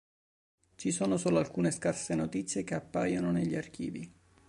Ci sono solo alcune scarse notizie che appaiono negli archivi.